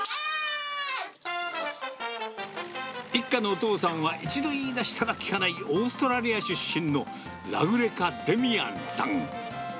一家のお父さんは、一度言い出したらきかないオーストラリア出身のラグレカ・デミアンさん。